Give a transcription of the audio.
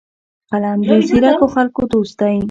قلم د ځیرکو خلکو دوست دی